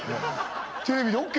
テレビでＯＫ？